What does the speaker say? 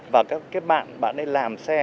và các bạn bạn đây làm xe